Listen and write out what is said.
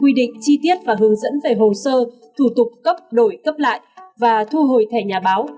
quy định chi tiết và hướng dẫn về hồ sơ thủ tục cấp đổi cấp lại và thu hồi thẻ nhà báo